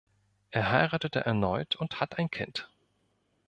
Er heiratete erneut und hat ein Kind.